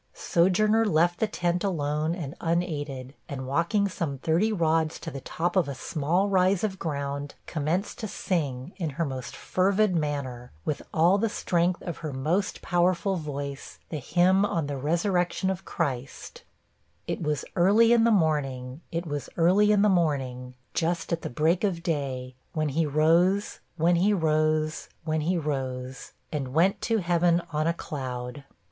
Sojourner left the tent alone and unaided, and walking some thirty rods to the top of a small rise of ground, commenced to sing, in her most fervid manner, with all the strength of her most powerful voice, the hymn on the resurrection of Christ It was early in the morning it was early in the morning, Just at the break of day When he rose when he rose when he rose, And went to heaven on a cloud.'